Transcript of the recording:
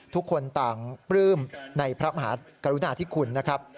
ทุกคนต่างปลื้มในพระมหากรุณาธิคุณนะครับ